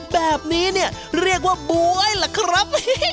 แบบนี้เนี่ยเรียกว่าบ๊วยล่ะครับ